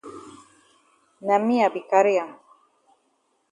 Na me I be carry am.